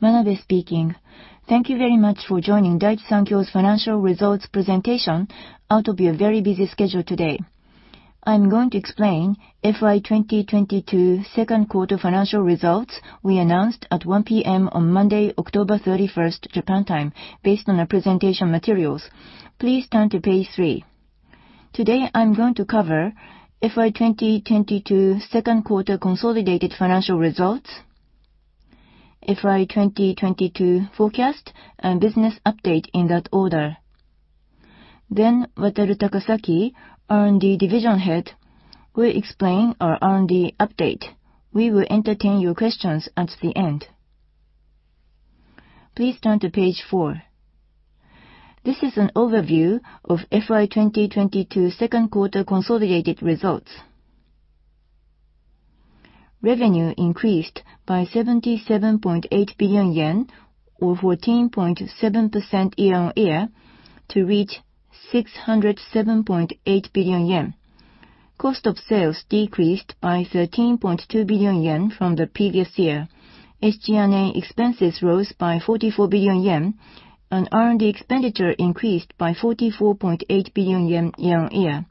Manabe speaking. Thank you very much for joining Daiichi Sankyo's financial results presentation out of your very busy schedule today. I'm going to explain FY 2022 second quarter financial results we announced at 1:00 P.M. on Monday, October 31st, Japan time, based on our presentation materials. Please turn to page three. Today, I'm going to cover FY 2022 second quarter consolidated financial results, FY 2022 forecast, and business update in that order. Then Wataru Takasaki, R&D division head, will explain our R&D update. We will entertain your questions at the end. Please turn to page four. This is an overview of FY 2022 second quarter consolidated results. Revenue increased by 77.8 billion yen, or 14.7% year-on-year, to reach 607.8 billion yen. Cost of sales decreased by 13.2 billion yen from the previous year. SG&A expenses rose by 44 billion yen, and R&D expenditure increased by 44.8 billion yen year on year.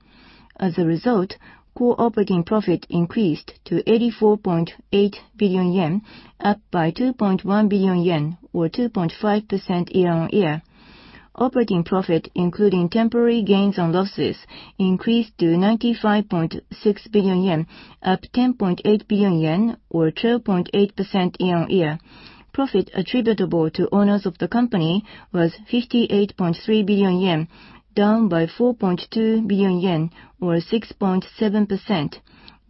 As a result, core operating profit increased to 84.8 billion yen, up by 2.1 billion yen, or 2.5% year-on-year. Operating profit, including temporary gains and losses, increased to 95.6 billion yen, up 10.8 billion yen, or 12.8% year-on-year. Profit attributable to owners of the company was 58.3 billion yen, down by 4.2 billion yen, or 6.7%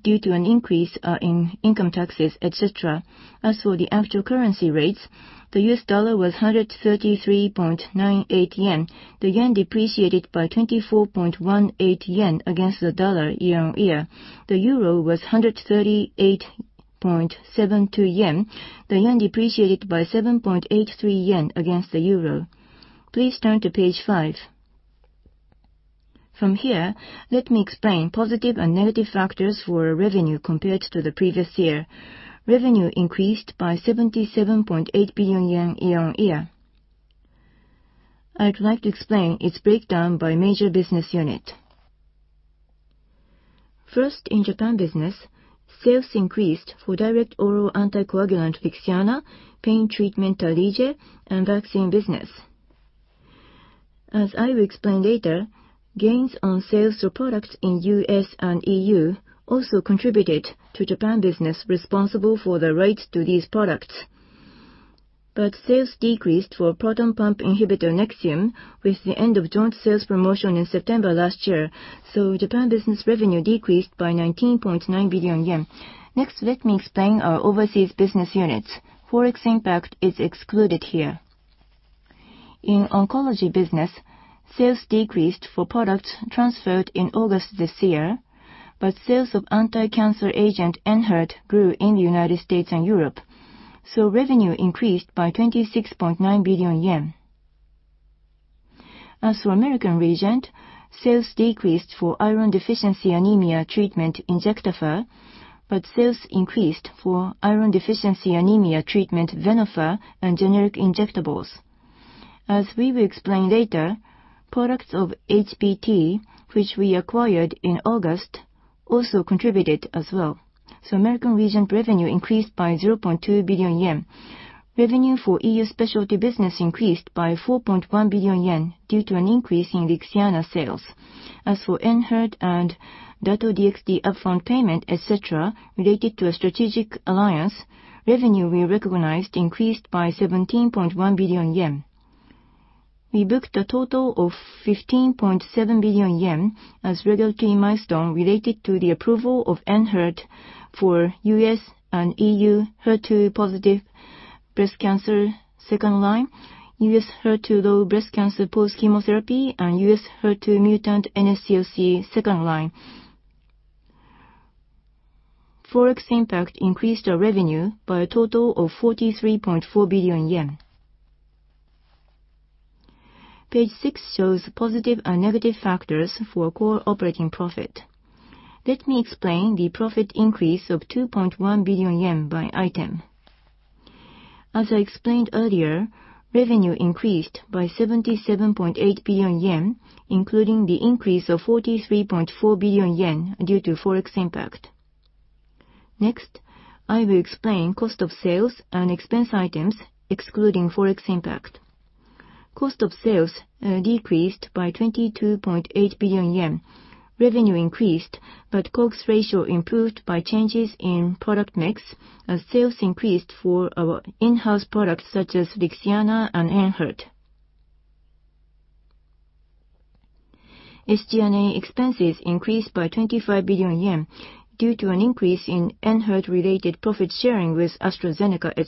due to an increase in income taxes, et cetera. As for the actual currency rates, the U.S. dollar was 133.98 yen. The yen depreciated by 24.18 yen against the dollar year-on-year. The Euro was 138.72 yen. The yen depreciated by 7.83 yen against the Euro. Please turn to page five. From here, let me explain positive and negative factors for revenue compared to the previous year. Revenue increased by 77.8 billion yen year-on-year. I'd like to explain its breakdown by major business unit. First, in Japan business, sales increased for direct oral anticoagulant Lixiana, pain treatment Tarlige, and vaccine business. As I will explain later, gains on sales of products in U.S. and EU also contributed to Japan business responsible for the rights to these products. Sales decreased for proton pump inhibitor Nexium with the end of joint sales promotion in September last year, so Japan business revenue decreased by 19.9 billion yen. Next, let me explain our overseas business units. Forex impact is excluded here. In oncology business, sales decreased for products transferred in August this year, but sales of anti-cancer agent Enhertu grew in the United States and Europe, so revenue increased by 26.9 billion yen. As for American Regent, sales decreased for iron deficiency anemia treatment Injectafer, but sales increased for iron deficiency anemia treatment Venofer and generic injectables. As we will explain later, products of HBT, which we acquired in August, also contributed as well. American Regent revenue increased by 0.2 billion yen. Revenue for EU specialty business increased by 4.1 billion yen due to an increase in Lixiana sales. As for Enhertu and Dato-DXd upfront payment, et cetera, related to a strategic alliance, revenue we recognized increased by 17.1 billion yen. We booked a total of 15.7 billion yen as regulatory milestone related to the approval of Enhertu for U.S. and EU HER2-positive breast cancer second-line, U.S. HER2-low breast cancer post-chemotherapy, and U.S. HER2-mutant NSCLC second-line. Forex impact increased our revenue by a total of 43.4 billion yen. Page six shows positive and negative factors for core operating profit. Let me explain the profit increase of 2.1 billion yen by item. As I explained earlier, revenue increased by 77.8 billion yen, including the increase of 43.4 billion yen due to Forex impact. Next, I will explain cost of sales and expense items excluding Forex impact. Cost of sales decreased by 22.8 billion yen. Revenue increased, but COGS ratio improved by changes in product mix as sales increased for our in-house products such as Lixiana and Enhertu. SG&A expenses increased by 25 billion yen due to an increase in Enhertu related profit sharing with AstraZeneca, et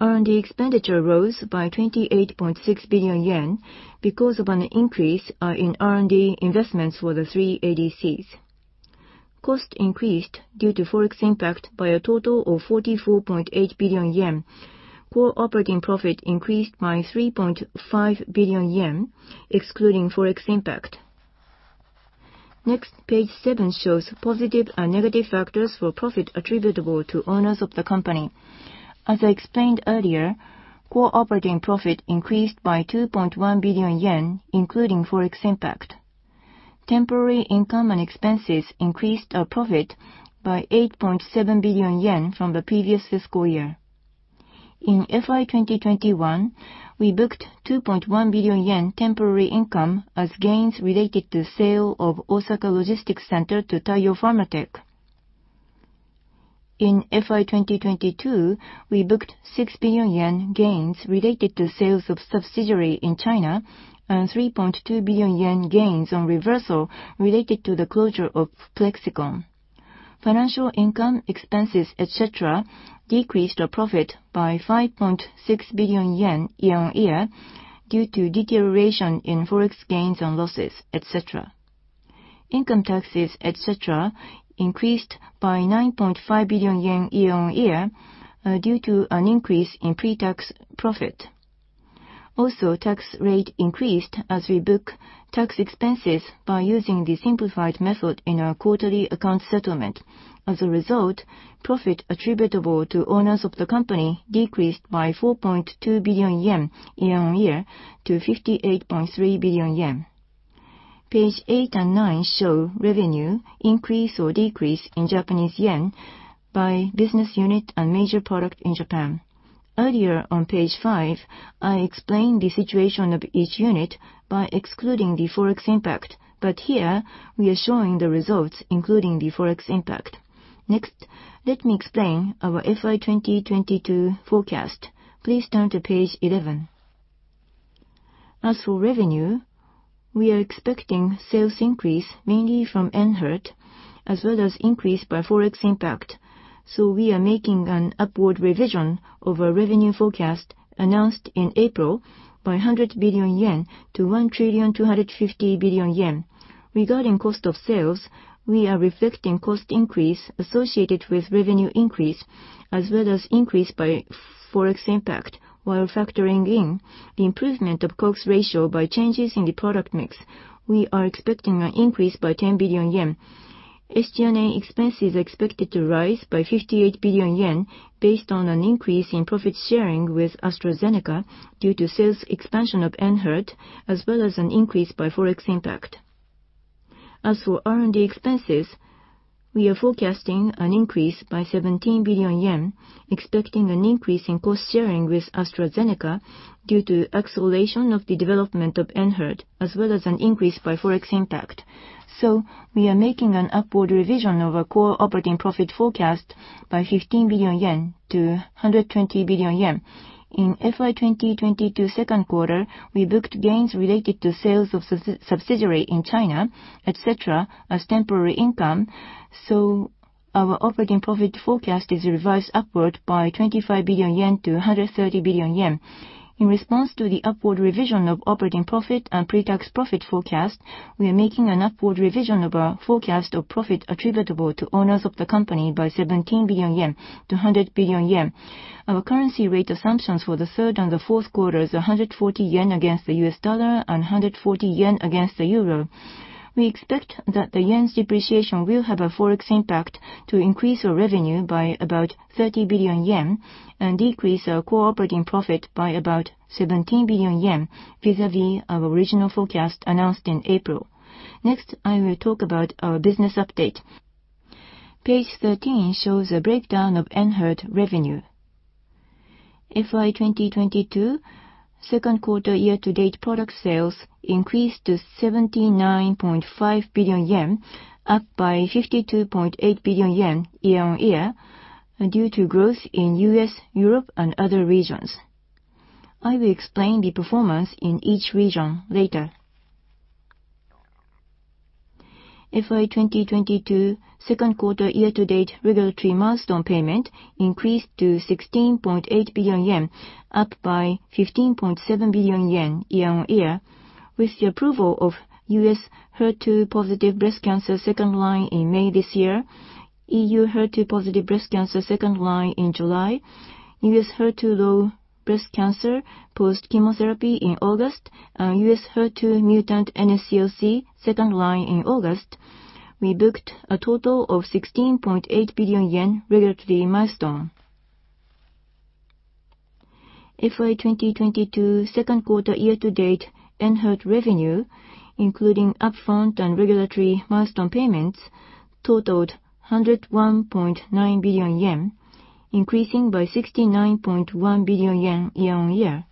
cetera. R&D expenditure rose by JPY 28.6 billion because of an increase in R&D investments for the three ADCs. Cost increased due to Forex impact by a total of 44.8 billion yen. Core operating profit increased by 3.5 billion yen excluding Forex impact. Next, page seven shows positive and negative factors for profit attributable to owners of the company. As I explained earlier, core operating profit increased by 2.1 billion yen, including Forex impact. Temporary income and expenses increased our profit by 8.7 billion yen from the previous fiscal year. In FY 2021, we booked 2.1 billion yen temporary income as gains related to sale of Osaka Logistics Center to TAIYO Pharma Tech. In FY 2022, we booked 6 billion yen gains related to sales of subsidiary in China and 3.2 billion yen gains on reversal related to the closure of Plexxikon. Financial income, expenses, et cetera, decreased our profit by 5.6 billion yen year-on-year due to deterioration in Forex gains and losses, et cetera. Income taxes, et cetera, increased by 9.5 billion yen year-on-year due to an increase in pre-tax profit. Also, tax rate increased as we book tax expenses by using the simplified method in our quarterly account settlement. As a result, profit attributable to owners of the company decreased by 4.2 billion yen year-on-year to 58.3 billion yen. Pages eight and nine show revenue increase or decrease in JPY by business unit and major product in Japan. Earlier on page five, I explained the situation of each unit by excluding the Forex impact, but here we are showing the results, including the Forex impact. Next, let me explain our FY 2022 forecast. Please turn to page 11. As for revenue, we are expecting sales increase mainly from Enhertu, as well as increase by Forex impact. We are making an upward revision of our revenue forecast announced in April by 100 billion yen to 1.25 trillion. Regarding cost of sales, we are reflecting cost increase associated with revenue increase, as well as increase by Forex impact, while factoring in the improvement of COGS ratio by changes in the product mix. We are expecting an increase by 10 billion yen. SG&A expense is expected to rise by 58 billion yen based on an increase in profit sharing with AstraZeneca due to sales expansion of Enhertu, as well as an increase by Forex impact. As for R&D expenses, we are forecasting an increase by 17 billion yen, expecting an increase in cost sharing with AstraZeneca due to acceleration of the development of Enhertu, as well as an increase by Forex impact. We are making an upward revision of our core operating profit forecast by 15 billion yen to 120 billion yen. In FY 2022 second quarter, we booked gains related to sales of subsidiary in China, et cetera, as temporary income. Our operating profit forecast is revised upward by 25 billion yen to 130 billion yen. In response to the upward revision of operating profit and pre-tax profit forecast, we are making an upward revision of our forecast of profit attributable to owners of the company by 17 billion yen to 100 billion yen. Our currency rate assumptions for the third and the fourth quarter is 140 yen against the U.S. dollar and 140 yen against the Euro. We expect that the yen's depreciation will have a Forex impact to increase our revenue by about 30 billion yen and decrease our core operating profit by about 17 billion yen vis-a-vis our original forecast announced in April. Next, I will talk about our business update. Page 13 shows a breakdown of Enhertu revenue. FY 2022 second quarter year-to-date product sales increased to 79.5 billion yen, up by 52.8 billion yen year-on-year due to growth in U.S., Europe, and other regions. I will explain the performance in each region later. FY 2022 second quarter year-to-date regulatory milestone payment increased to 16.8 billion yen, up by 15.7 billion yen year-on-year with the approval of U.S. HER2-positive breast cancer second line in May this year, E.U. HER2-positive breast cancer second line in July, U.S. HER2-low breast cancer post chemotherapy in August, and U.S. HER2-mutant NSCLC second line in August. We booked a total of 16.8 billion yen regulatory milestone. FY 2022 second quarter year-to-date Enhertu revenue, including upfront and regulatory milestone payments totaled 101.9 billion yen, increasing by 69.1 billion yen year-on-year.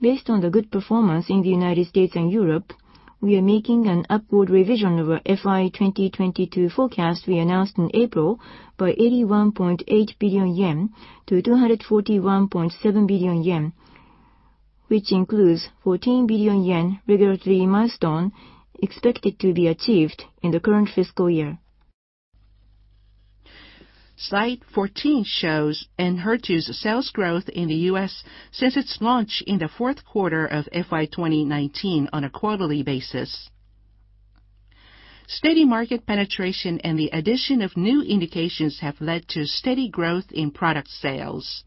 Based on the good performance in the United States and Europe, we are making an upward revision of our FY 2022 forecast we announced in April by 81.8 billion yen to 241.7 billion yen, which includes 14 billion yen regulatory milestone expected to be achieved in the current fiscal year. Slide 14 shows Enhertu sales growth in the U.S. since its launch in the fourth quarter of FY 2019 on a quarterly basis. Steady market penetration and the addition of new indications have led to steady growth in product sales.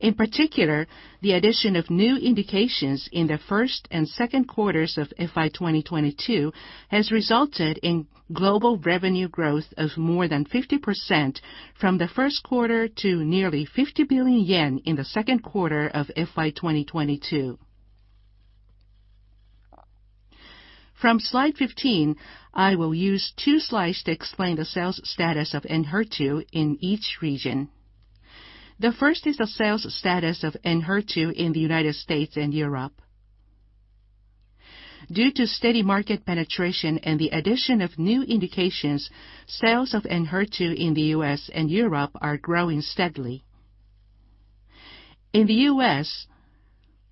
In particular, the addition of new indications in the first and second quarters of FY 2022 has resulted in global revenue growth of more than 50% from the first quarter to nearly 50 billion yen in the second quarter of FY 2022. From Slide 15, I will use two slides to explain the sales status of Enhertu in each region. The first is the sales status of Enhertu in the United States and Europe. Due to steady market penetration and the addition of new indications, sales of Enhertu in the U.S. and Europe are growing steadily. In the U.S.,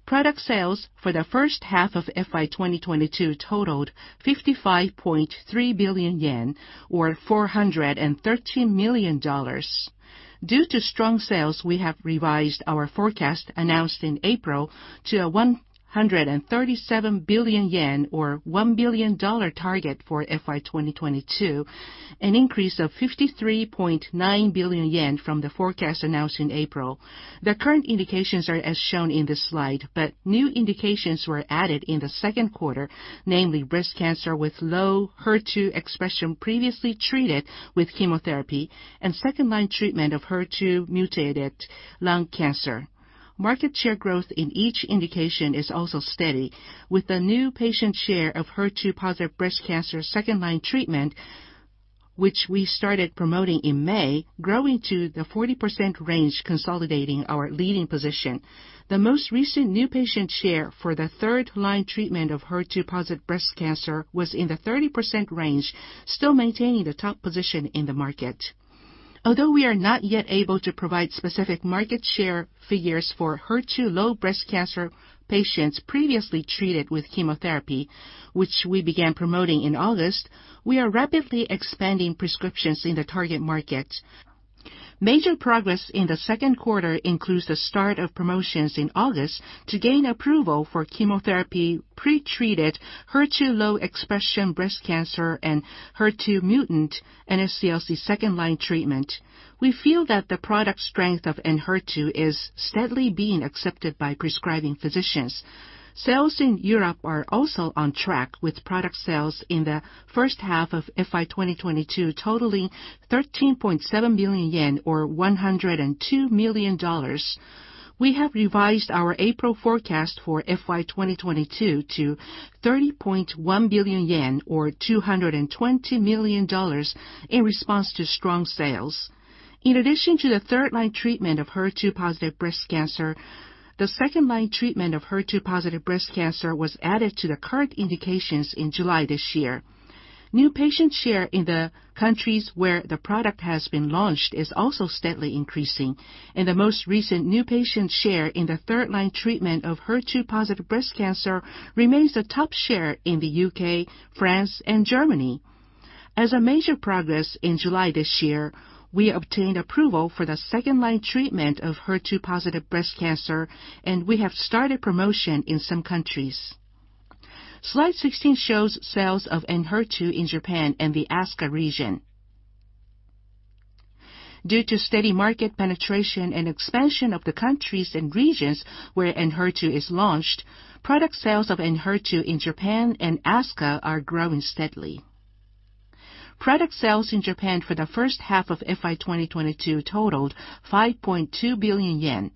product sales for the first half of FY 2022 totaled 55.3 billion yen, or $413 million. Due to strong sales, we have revised our forecast announced in April to a 137 billion yen, or $1 billion target for FY 2022, an increase of 53.9 billion yen from the forecast announced in April. The current indications are as shown in this slide, but new indications were added in the second quarter, namely breast cancer with low HER2 expression previously treated with chemotherapy and second-line treatment of HER2-mutated lung cancer. Market share growth in each indication is also steady, with the new patient share of HER2-positive breast cancer second-line treatment, which we started promoting in May, growing to the 40% range, consolidating our leading position. The most recent new patient share for the third line treatment of HER2-positive breast cancer was in the 30% range, still maintaining the top position in the market. Although we are not yet able to provide specific market share figures for HER2-low breast cancer patients previously treated with chemotherapy, which we began promoting in August, we are rapidly expanding prescriptions in the target market. Major progress in the second quarter includes the start of promotions in August to gain approval for chemotherapy pre-treated HER2-low-expression breast cancer and HER2 mutant NSCLC second-line treatment. We feel that the product strength of Enhertu is steadily being accepted by prescribing physicians. Sales in Europe are also on track, with product sales in the first half of FY 2022 totaling 13.7 billion yen, or $102 million. We have revised our April forecast for FY 2022 to 30.1 billion yen, or $220 million in response to strong sales. In addition to the third-line treatment of HER2-positive breast cancer, the second-line treatment of HER2-positive breast cancer was added to the current indications in July this year. New patient share in the countries where the product has been launched is also steadily increasing and the most recent new patient share in the third-line treatment of HER2-positive breast cancer remains the top share in the U.K., France, and Germany. As a major progress in July this year, we obtained approval for the second-line treatment of HER2-positive breast cancer, and we have started promotion in some countries. Slide 16 shows sales of Enhertu in Japan and the ASCA region. Due to steady market penetration and expansion of the countries and regions where Enhertu is launched, product sales of Enhertu in Japan and ASCA are growing steadily. Product sales in Japan for the first half of FY 2022 totaled 5.2 billion yen.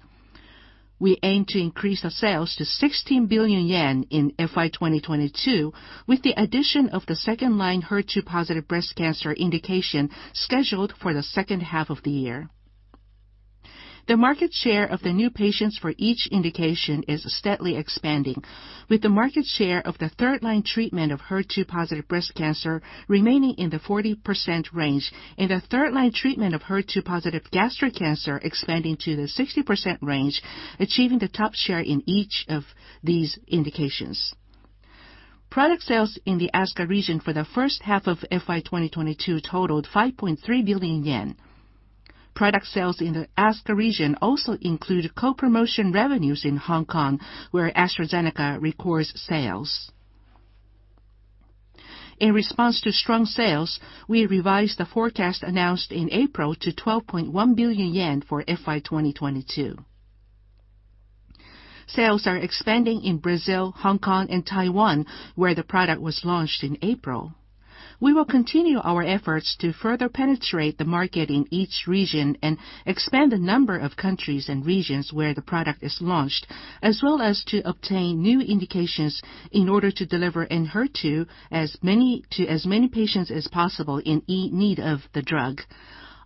We aim to increase the sales to 16 billion yen in FY 2022, with the addition of the second-line HER2-positive breast cancer indication scheduled for the second half of the year. The market share of the new patients for each indication is steadily expanding, with the market share of the third-line treatment of HER2-positive breast cancer remaining in the 40% range and the third-line treatment of HER2-positive gastric cancer expanding to the 60% range, achieving the top share in each of these indications. Product sales in the ASCA region for the first half of FY 2022 totaled 5.3 billion yen. Product sales in the ASCA region also include co-promotion revenues in Hong Kong, where AstraZeneca records sales. In response to strong sales, we revised the forecast announced in April to 12.1 billion yen for FY 2022. Sales are expanding in Brazil, Hong Kong, and Taiwan, where the product was launched in April. We will continue our efforts to further penetrate the market in each region and expand the number of countries and regions where the product is launched, as well as to obtain new indications in order to deliver Enhertu to as many patients as possible in need of the drug.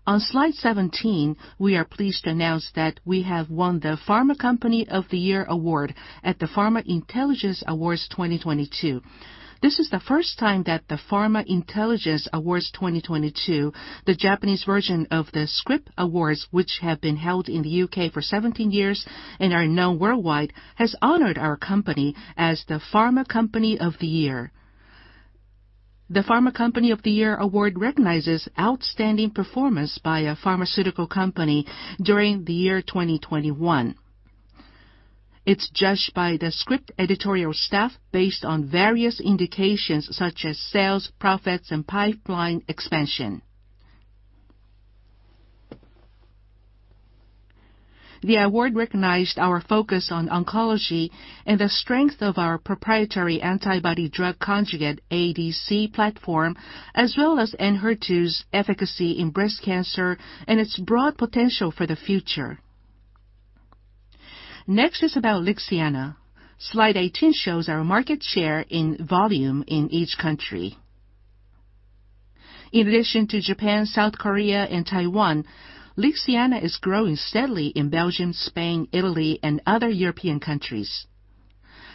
On slide 17, we are pleased to announce that we have won the Pharma Company of the Year award at the Pharma Intelligence Awards 2022. This is the first time that the Pharma Intelligence Awards 2022, the Japanese version of the Scrip Awards, which have been held in the U.K. for 17 years and are known worldwide, has honored our company as the Pharma Company of the Year. The Pharma Company of the Year award recognizes outstanding performance by a pharmaceutical company during the year 2021. It's judged by the Scrip editorial staff based on various indicators such as sales, profits, and pipeline expansion. The award recognized our focus on oncology and the strength of our proprietary antibody drug conjugate, ADC platform, as well as Enhertu's efficacy in breast cancer and its broad potential for the future. Next is about Lixiana. Slide 18 shows our market share in volume in each country. In addition to Japan, South Korea, and Taiwan, Lixiana is growing steadily in Belgium, Spain, Italy, and other European countries.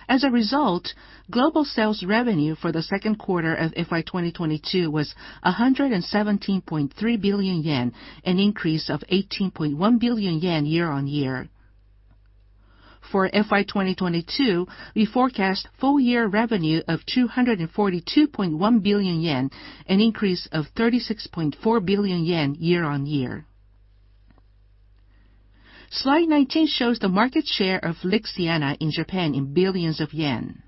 As a result, global sales revenue for the second quarter of FY 2022 was 117.3 billion yen, an increase of 18.1 billion yen year-over-year. For FY 2022, we forecast full year revenue of 242.1 billion yen, an increase of 36.4 billion year-over-year. Slide 19 shows the market share of Lixiana in Japan in billions of yen.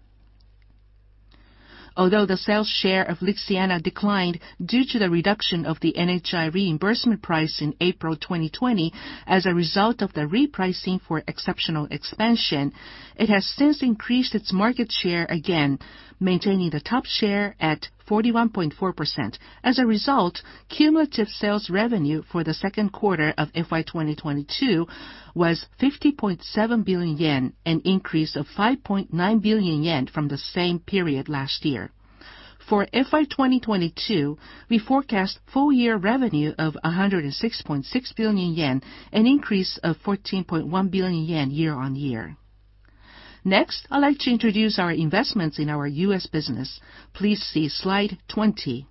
Although the sales share of Lixiana declined due to the reduction of the NHI reimbursement price in April 2020, as a result of the repricing for exceptional expansion, it has since increased its market share again, maintaining the top share at 41.4%. As a result, cumulative sales revenue for the second quarter of FY 2022 was 50.7 billion yen, an increase of 5.9 billion yen from the same period last year. For FY 2022, we forecast full year revenue of 106.6 billion yen, an increase of 14.1 billion yen year-on-year. Next, I'd like to introduce our investments in our U.S. business. Please see slide 20.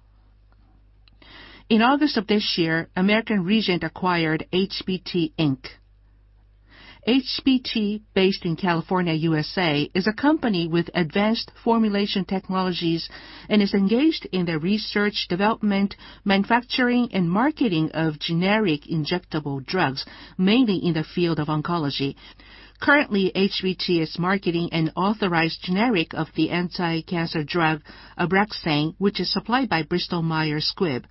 In August of this year, American Regent acquired HBT Labs, Inc. HBT Labs, Inc., based in California, USA, is a company with advanced formulation technologies and is engaged in the research, development, manufacturing, and marketing of generic injectable drugs, mainly in the field of oncology. Currently, HBT Labs, Inc. is marketing an authorized generic of the anti-cancer drug Abraxane, which is supplied by Bristol Myers Squibb.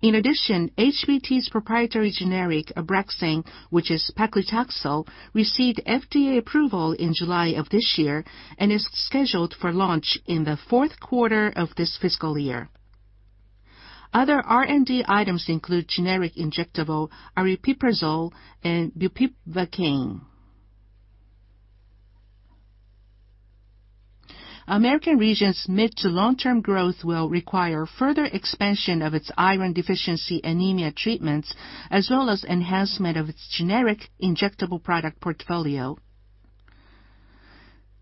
In addition, HBT's proprietary generic Abraxane, which is paclitaxel, received FDA approval in July of this year and is scheduled for launch in the fourth quarter of this fiscal year. Other R&D items include generic injectable aripiprazole and bupivacaine. American Regent's mid to long-term growth will require further expansion of its iron deficiency anemia treatments as well as enhancement of its generic injectable product portfolio.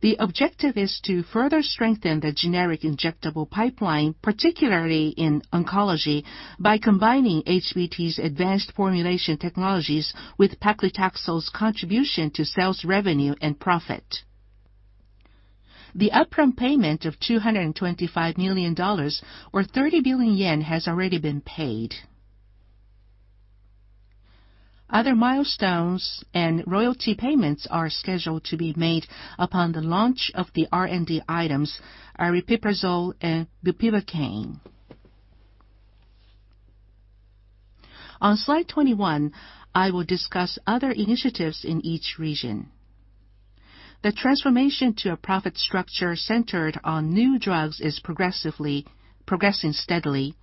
The objective is to further strengthen the generic injectable pipeline, particularly in oncology, by combining HBT's advanced formulation technologies with paclitaxel's contribution to sales revenue and profit. The upfront payment of $225 million or 30 billion yen has already been paid. Other milestones and royalty payments are scheduled to be made upon the launch of the R&D items, aripiprazole and bupivacaine. On slide 21, I will discuss other initiatives in each region. The transformation to a profit structure centered on new drugs is progressively progressing steadily.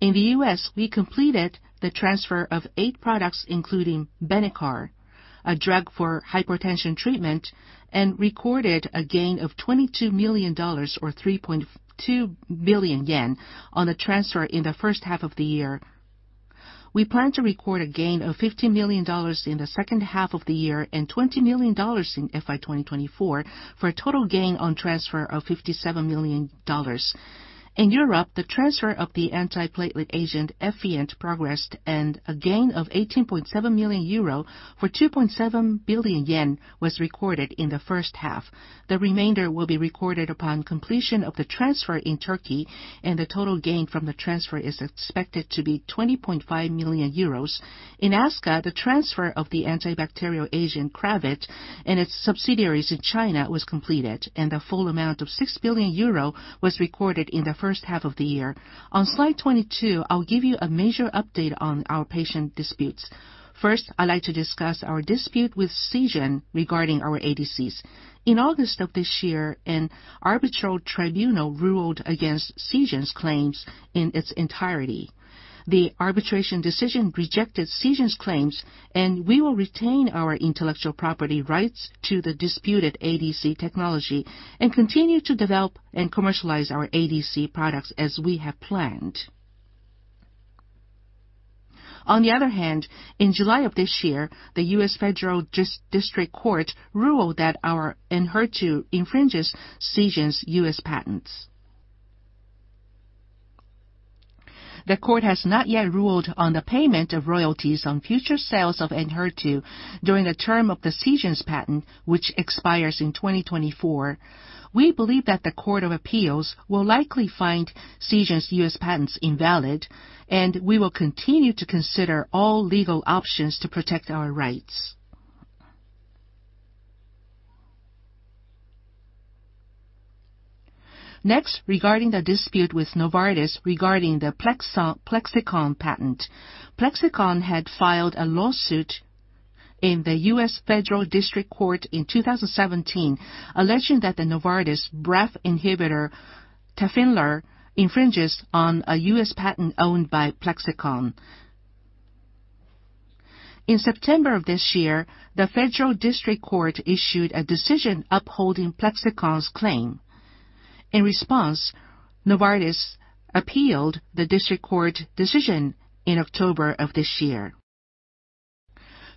In the U.S., we completed the transfer of eight products including Benicar, a drug for hypertension treatment, and recorded a gain of $22 million or 3.2 billion yen on the transfer in the first half of the year. We plan to record a gain of $50 million in the second half of the year and $20 million in FY 2024 for a total gain on transfer of $57 million. In Europe, the transfer of the antiplatelet agent Effient progressed and a gain of 18.7 million euro or 2.7 billion yen was recorded in the first half. The remainder will be recorded upon completion of the transfer in Turkey, and the total gain from the transfer is expected to be 20.5 million euros. In ASCA, the transfer of the antibacterial agent Cravit and its subsidiaries in China was completed and the full amount of 6 billion euro was recorded in the first half of the year. On slide 22, I'll give you a major update on our patent disputes. First, I'd like to discuss our dispute with Seagen regarding our ADCs. In August of this year, an arbitral tribunal ruled against Seagen's claims in its entirety. The arbitration decision rejected Seagen's claims and we will retain our intellectual property rights to the disputed ADC technology and continue to develop and commercialize our ADC products as we have planned. On the other hand, in July of this year, the United States District Court ruled that our Enhertu infringes Seagen's U.S. patents. The court has not yet ruled on the payment of royalties on future sales of Enhertu during the term of Seagen's patent, which expires in 2024. We believe that the Court of Appeals will likely find Seagen's U.S. patents invalid, and we will continue to consider all legal options to protect our rights. Next, regarding the dispute with Novartis regarding the Plexxikon patent. Plexxikon had filed a lawsuit in the U.S. Federal District Court in 2017, alleging that the Novartis BRAF inhibitor, Tafinlar, infringes on a U.S. patent owned by Plexxikon. In September of this year, the Federal District Court issued a decision upholding Plexxikon's claim. In response, Novartis appealed the District Court decision in October of this year.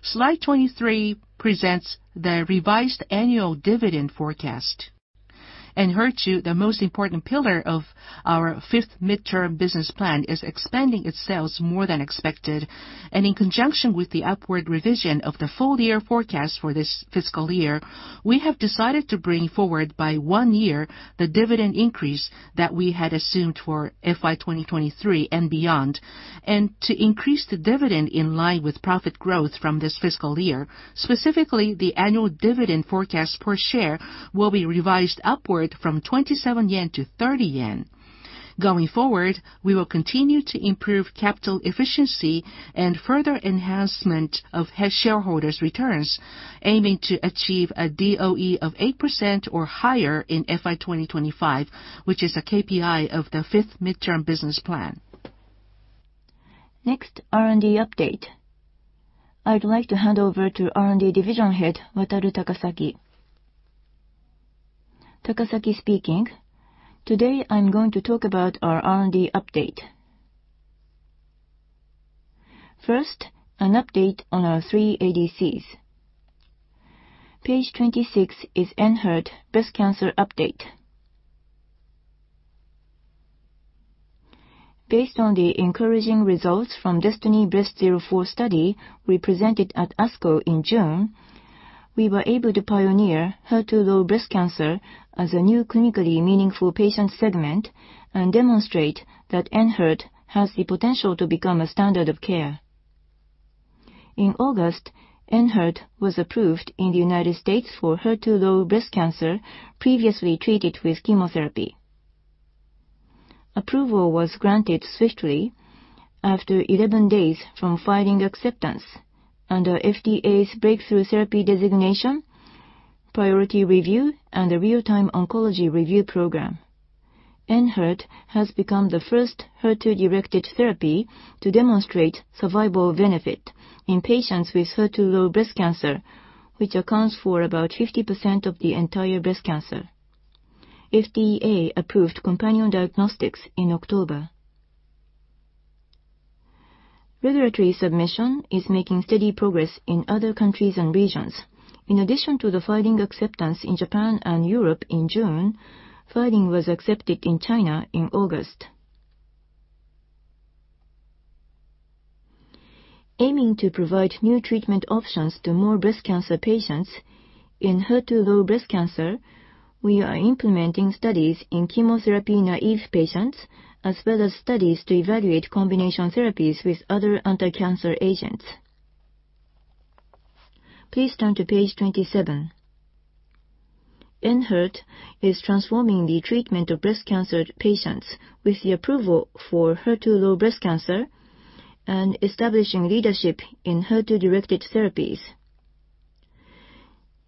Slide 23 presents the revised annual dividend forecast. Enhertu, the most important pillar of our fifth midterm business plan, is expanding its sales more than expected. In conjunction with the upward revision of the full-year forecast for this fiscal year, we have decided to bring forward by one year the dividend increase that we had assumed for FY 2023 and beyond. To increase the dividend in line with profit growth from this fiscal year. Specifically, the annual dividend forecast per share will be revised upward from 27 yen to 30 yen. Going forward, we will continue to improve capital efficiency and further enhancement of shareholders' returns, aiming to achieve a DOE of 8% or higher in FY 2025, which is a KPI of the fifth midterm business plan. Next, R&D update. I'd like to hand over to R&D Division Head, Wataru Takasaki. Takasaki speaking. Today, I'm going to talk about our R&D update. First, an update on our three ADCs. Page 26 is Enhertu breast cancer update. Based on the encouraging results from DESTINY-Breast04 study we presented at ASCO in June, we were able to pioneer HER2-low breast cancer as a new clinically meaningful patient segment and demonstrate that Enhertu has the potential to become a standard of care. In August, Enhertu was approved in the United States for HER2-low breast cancer previously treated with chemotherapy. Approval was granted swiftly after 11 days from filing acceptance under FDA's Breakthrough Therapy Designation, Priority Review, and the Real-Time Oncology Review Program. Enhertu has become the first HER2-directed therapy to demonstrate survival benefit in patients with HER2-low breast cancer, which accounts for about 50% of the entire breast cancer. FDA approved companion diagnostics in October. Regulatory submission is making steady progress in other countries and regions. In addition to the filing acceptance in Japan and Europe in June, filing was accepted in China in August. Aiming to provide new treatment options to more breast cancer patients in HER2-low breast cancer, we are implementing studies in chemotherapy-naïve patients, as well as studies to evaluate combination therapies with other anticancer agents. Please turn to page 27. Enhertu is transforming the treatment of breast cancer patients with the approval for HER2-low breast cancer and establishing leadership in HER2-directed therapies.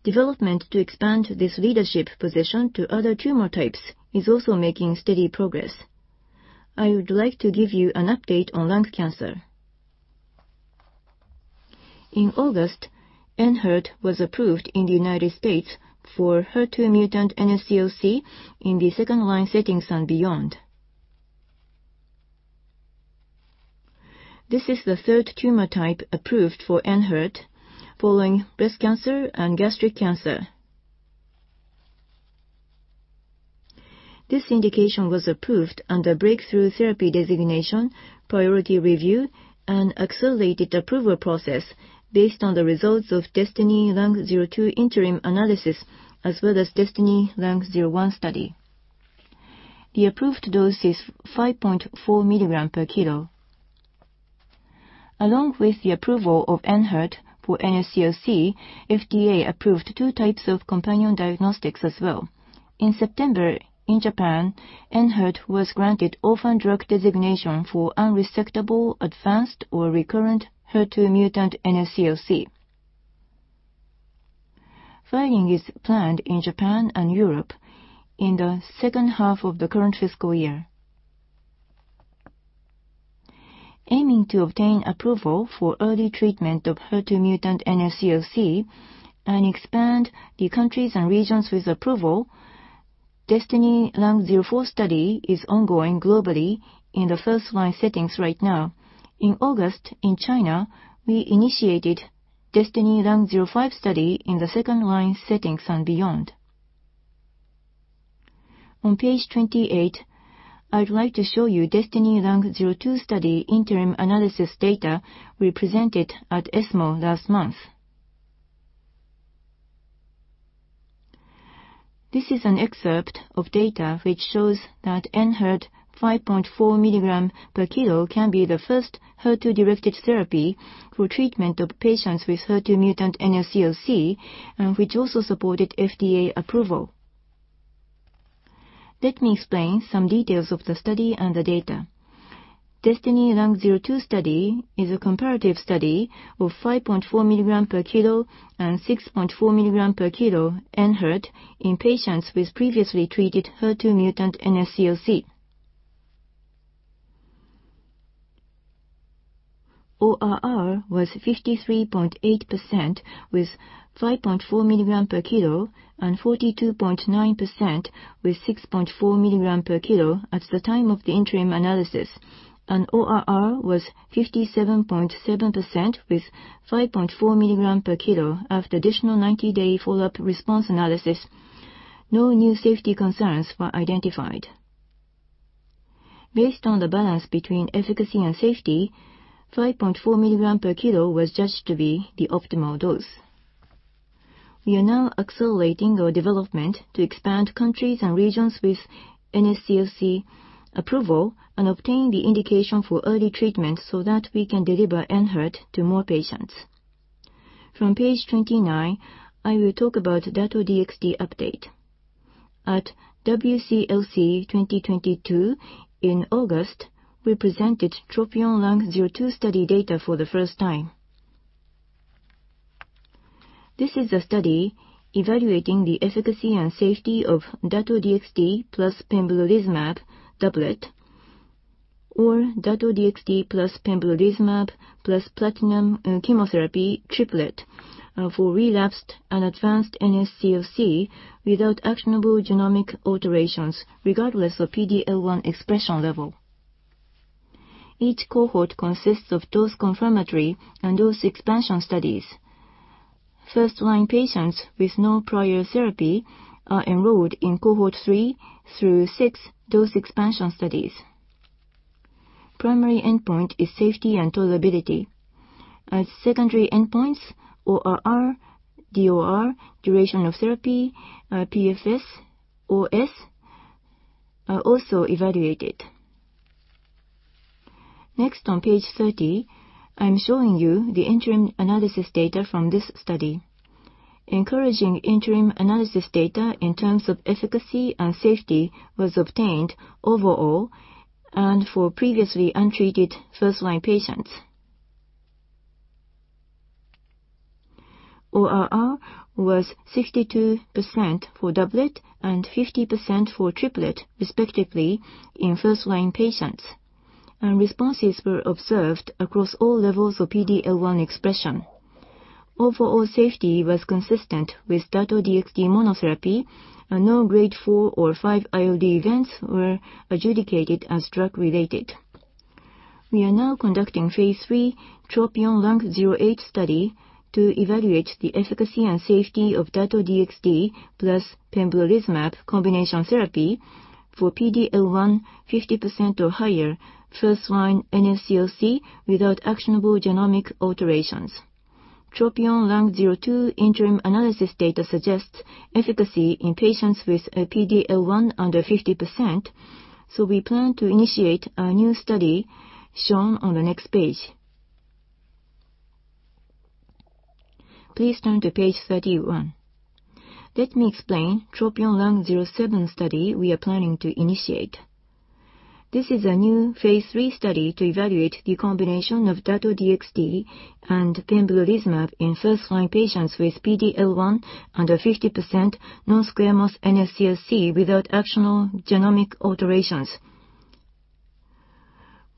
Development to expand this leadership position to other tumor types is also making steady progress. I would like to give you an update on lung cancer. In August, Enhertu was approved in the United States for HER2-mutant NSCLC in the second-line settings and beyond. This is the third tumor type approved for Enhertu following breast cancer and gastric cancer. This indication was approved under Breakthrough Therapy Designation, Priority Review, and Accelerated Approval Process based on the results of DESTINY-Lung02 interim analysis as well as DESTINY-Lung01 study. The approved dose is 5.4 mg/kg. Along with the approval of Enhertu for NSCLC, FDA approved two types of companion diagnostics as well. In September, in Japan, Enhertu was granted orphan drug designation for unresectable, advanced, or recurrent HER2-mutant NSCLC. Filing is planned in Japan and Europe in the second half of the current fiscal year. Aiming to obtain approval for early treatment of HER2-mutant NSCLC and expand the countries and regions with approval, DESTINY-Lung04 study is ongoing globally in the first-line settings right now. In August, in China, we initiated DESTINY-Lung05 study in the second-line settings and beyond. On page 28, I'd like to show you DESTINY-Lung02 study interim analysis data we presented at ESMO last month. This is an excerpt of data which shows that Enhertu 5.4 mg/kg can be the first HER2-directed therapy for treatment of patients with HER2-mutant NSCLC, and which also supported FDA approval. Let me explain some details of the study and the data. DESTINY-Lung02 study is a comparative study of 5.4 mg/kg and 6.4 mg/kg Enhertu in patients with previously treated HER2 mutant NSCLC. ORR was 53.8% with 5.4 mg/kg and 42.9% with 6.4 mg/kg at the time of the interim analysis. ORR was 57.7% with 5.4 mg/kg after additional 90-day follow-up response analysis. No new safety concerns were identified. Based on the balance between efficacy and safety, 5.4 mg/kg was judged to be the optimal dose. We are now accelerating our development to expand countries and regions with NSCLC approval and obtain the indication for early treatment so that we can deliver Enhertu to more patients. From page 29, I will talk about Dato-DXd update. At WCLC 2022 in August, we presented TROPION-Lung02 study data for the first time. This is a study evaluating the efficacy and safety of Dato-DXd plus pembrolizumab doublet or Dato-DXd plus pembrolizumab plus platinum chemotherapy triplet for relapsed and advanced NSCLC without actionable genomic alterations, regardless of PD-L1 expression level. Each cohort consists of dose confirmatory and dose expansion studies. First-line patients with no prior therapy are enrolled in cohort 3 through six dose expansion studies. Primary endpoint is safety and tolerability. As secondary endpoints, ORR, DOR, duration of therapy, PFS, OS are also evaluated. Next, on page 30, I'm showing you the interim analysis data from this study. Encouraging interim analysis data in terms of efficacy and safety was obtained overall and for previously untreated first-line patients. ORR was 62% for doublet and 50% for triplet respectively in first-line patients, and responses were observed across all levels of PD-L1 expression. Overall safety was consistent with Dato-DXd monotherapy, and no grade 4 or 5 ILD events were adjudicated as drug-related. We are now conducting phase III TROPION-Lung08 study to evaluate the efficacy and safety of Dato-DXd plus pembrolizumab combination therapy for PD-L1 50% or higher first-line NSCLC without actionable genomic alterations. TROPION-Lung 02 interim analysis data suggests efficacy in patients with a PD-L1 under 50%. We plan to initiate a new study shown on the next page. Please turn to page 31. Let me explain TROPION-Lung07 study we are planning to initiate. This is a new phase III study to evaluate the combination of Dato-DXd and pembrolizumab in first-line patients with PD-L1 under 50% non-squamous NSCLC without actionable genomic alterations.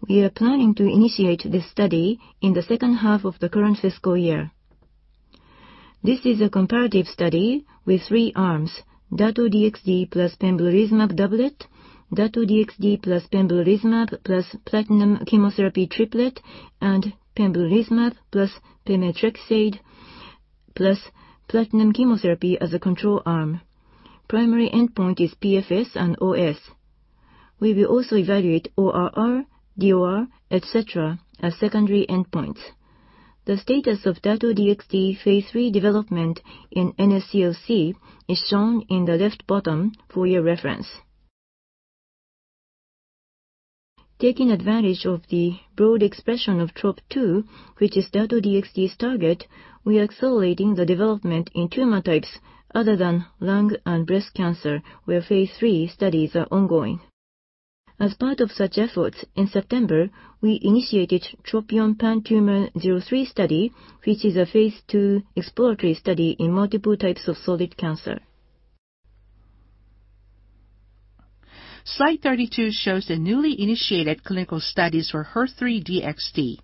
We are planning to initiate this study in the second half of the current fiscal year. This is a comparative study with three arms, Dato-DXd plus pembrolizumab doublet, Dato-DXd plus pembrolizumab plus platinum chemotherapy triplet, and pembrolizumab plus pemetrexed plus platinum chemotherapy as a control arm. Primary endpoint is PFS and OS. We will also evaluate ORR, DOR, et cetera, as secondary endpoints. The status of Dato-DXd phase 3 development in NSCLC is shown in the left bottom for your reference. Taking advantage of the broad expression of Trop-2, which is Dato-DXd's target, we are accelerating the development in tumor types other than lung and breast cancer, where phase III studies are ongoing. As part of such efforts, in September, we initiated TROPION-PanTumor03 study, which is a phase II exploratory study in multiple types of solid cancer. Slide 32 shows the newly initiated clinical studies for HER3-DXd.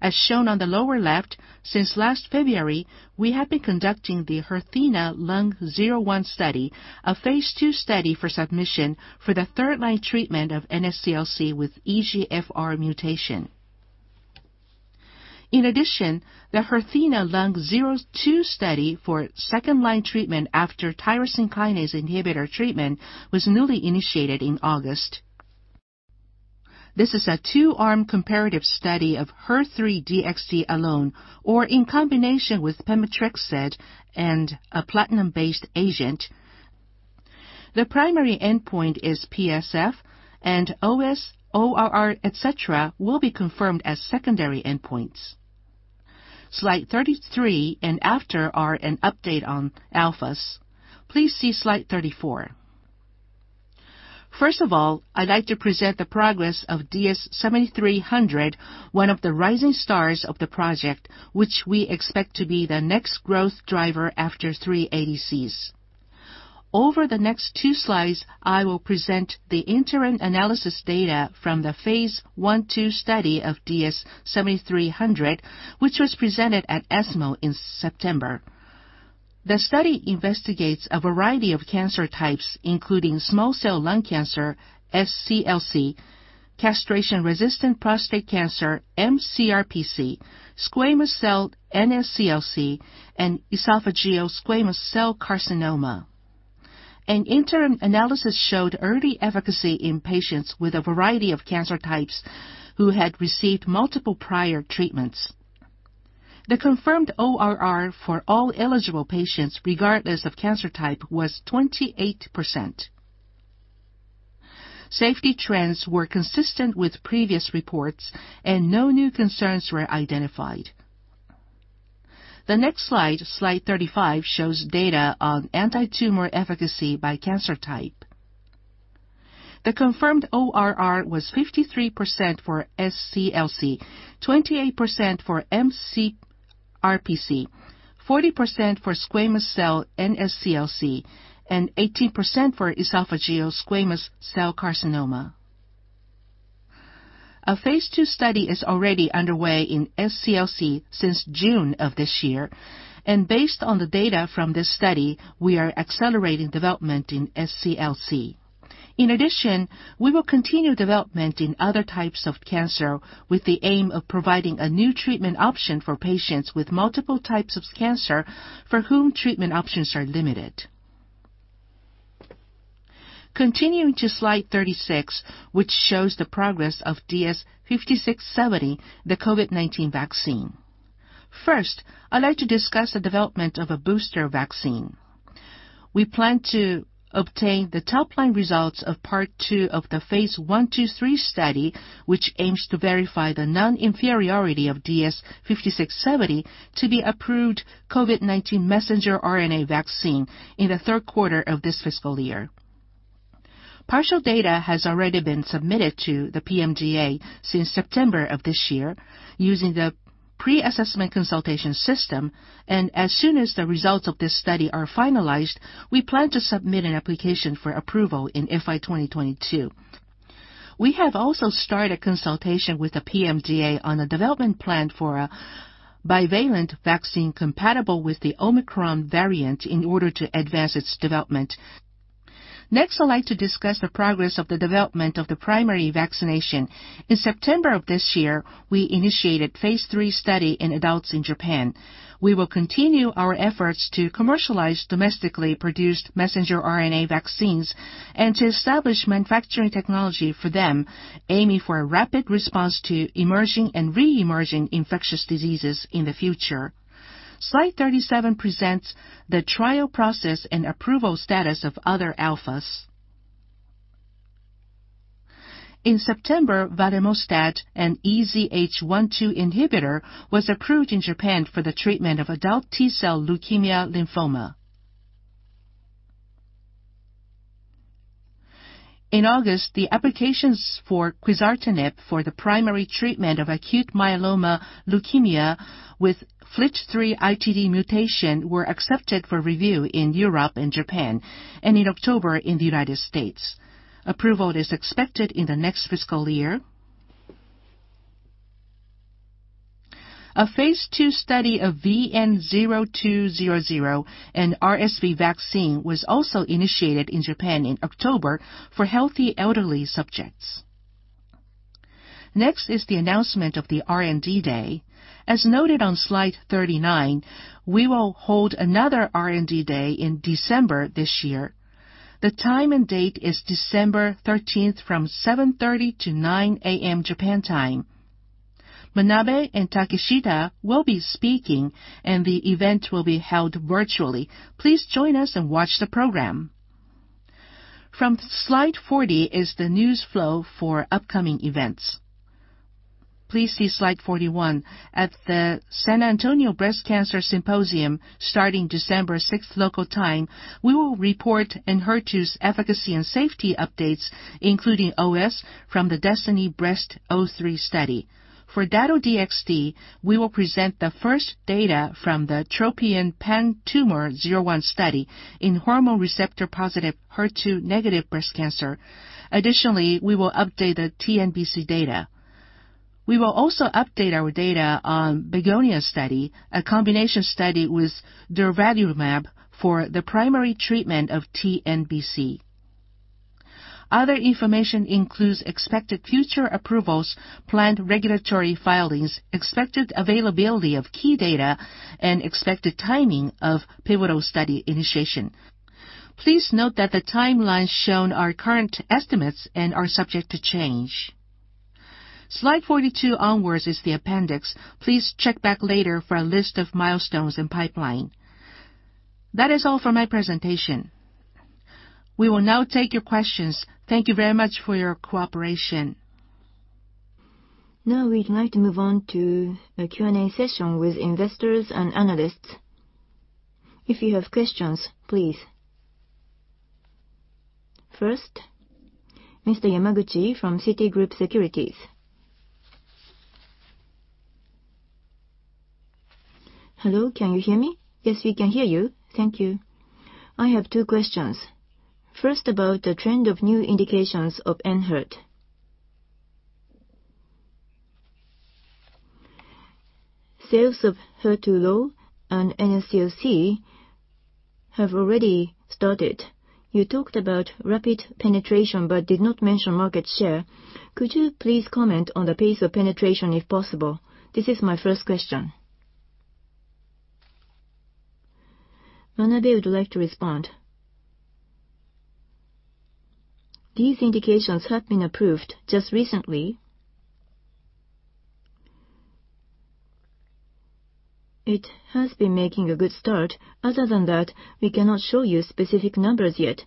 As shown on the lower left, since last February, we have been conducting the HERTHENA-Lung01 study, a phase II study for submission for the third-line treatment of NSCLC with EGFR mutation. In addition, the HERTHENA-Lung02 study for second-line treatment after tyrosine kinase inhibitor treatment was newly initiated in August. This is a two-arm comparative study of HER3-DXd alone or in combination with pemetrexed and a platinum-based agent. The primary endpoint is PFS and OS. ORR, et cetera, will be confirmed as secondary endpoints. Slide 33 and after are an update on ADCs. Please see slide 34. First of all, I'd like to present the progress of DS-7300, one of the rising stars of the project, which we expect to be the next growth driver after three ADCs. Over the next two slides, I will present the interim analysis data from the phase 1/2 study of DS-7300, which was presented at ESMO in September. The study investigates a variety of cancer types, including small cell lung cancer, SCLC, castration-resistant prostate cancer, mCRPC, squamous cell NSCLC, and esophageal squamous cell carcinoma. An interim analysis showed early efficacy in patients with a variety of cancer types who had received multiple prior treatments. The confirmed ORR for all eligible patients, regardless of cancer type, was 28%. Safety trends were consistent with previous reports, and no new concerns were identified. The next slide 35, shows data on antitumor efficacy by cancer type. The confirmed ORR was 53% for SCLC, 28% for mCRPC, 40% for squamous cell NSCLC, and 18% for esophageal squamous cell carcinoma. A phase II study is already underway in SCLC since June of this year. Based on the data from this study, we are accelerating development in SCLC. In addition, we will continue development in other types of cancer with the aim of providing a new treatment option for patients with multiple types of cancer for whom treatment options are limited. Continuing to slide 36, which shows the progress of DS-5670, the COVID-19 vaccine. First, I'd like to discuss the development of a booster vaccine. We plan to obtain the top-line results of part two of the phase 1/2/3 study, which aims to verify the non-inferiority of DS-5670 to the approved COVID-19 messenger RNA vaccine in the third quarter of this fiscal year. Partial data has already been submitted to the PMDA since September of this year using the pre-assessment consultation system. As soon as the results of this study are finalized, we plan to submit an application for approval in FY2022. We have also started consultation with the PMDA on a development plan for a bivalent vaccine compatible with the Omicron variant in order to advance its development. Next, I'd like to discuss the progress of the development of the primary vaccination. In September of this year, we initiated phase III study in adults in Japan. We will continue our efforts to commercialize domestically produced messenger RNA vaccines and to establish manufacturing technology for them, aiming for a rapid response to emerging and re-emerging infectious diseases in the future. Slide 37 presents the trial process and approval status of other assets. In September, valemetostat, an EZH1/2 inhibitor, was approved in Japan for the treatment of adult T-cell leukemia/lymphoma. In August, the applications for quizartinib for the primary treatment of acute myeloid leukemia with FLT3-ITD mutation were accepted for review in Europe and Japan, and in October in the United States. Approval is expected in the next fiscal year. A phase II study of VN-0200, an RSV vaccine, was also initiated in Japan in October for healthy elderly subjects. Next is the announcement of the R&D Day. As noted on slide 39, we will hold another R&D Day in December this year. The time and date is December 13th from 7:30 to 9:00 A.M. Japan time. Manabe and Takeshita will be speaking, and the event will be held virtually. Please join us and watch the program. From slide 40 is the news flow for upcoming events. Please see slide 41. At the San Antonio Breast Cancer Symposium starting December sixth local time, we will report Enhertu's efficacy and safety updates, including OS from the DESTINY-Breast03 study. For Dato-DXd, we will present the first data from the TROPION-PanTumor01 study in hormone receptor-positive, HER2-negative breast cancer. Additionally, we will update the TNBC data. We will also update our data on BEGONIA study, a combination study with durvalumab for the primary treatment of TNBC. Other information includes expected future approvals, planned regulatory filings, expected availability of key data, and expected timing of pivotal study initiation. Please note that the timelines shown are current estimates and are subject to change. Slide 42 onwards is the appendix. Please check back later for a list of milestones and pipeline. That is all for my presentation. We will now take your questions. Thank you very much for your cooperation. Now we'd like to move on to a Q&A session with investors and analysts. If you have questions, please. First, Mr. Yamaguchi from Citigroup Securities. Hello, can you hear me? Yes, we can hear you. Thank you. I have two questions. First, about the trend of new indications of Enhertu. Sales of HER2-low and NSCLC have already started. You talked about rapid penetration but did not mention market share. Could you please comment on the pace of penetration if possible? This is my first question. Manabe would like to respond. These indications have been approved just recently. It has been making a good start. Other than that, we cannot show you specific numbers yet.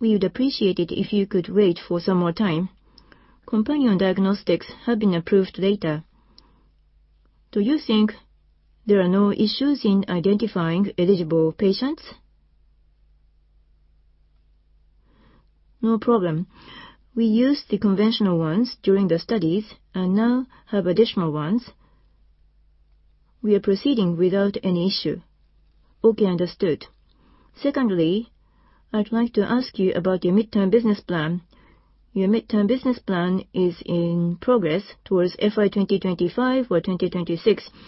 We would appreciate it if you could wait for some more time. Companion diagnostics have been approved later. Do you think there are no issues in identifying eligible patients? No problem. We used the conventional ones during the studies and now have additional ones. We are proceeding without any issue. Okay, understood. Secondly, I'd like to ask you about your midterm business plan. Your midterm business plan is in progress towards FY 2025 or 2026.